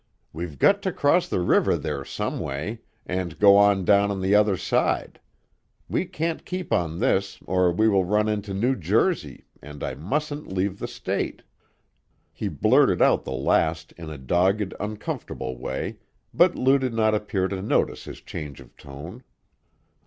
"We've got to cross the river there someway, and go on down on the other side. We can't keep on this, or we will run into New Jersey and and I mustn't leave the State." He blurted the last out in a dogged, uncomfortable way, but Lou did not appear to notice his change of tone.